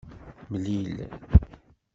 Mlil.